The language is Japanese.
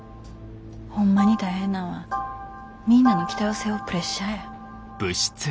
ホンマに大変なんはみんなの期待を背負うプレッシャーや。